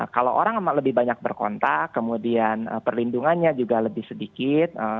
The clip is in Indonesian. kalau orang lebih banyak berkontak kemudian perlindungannya juga lebih sedikit